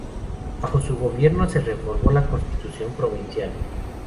Bajo su gobierno se reformó la constitución provincial.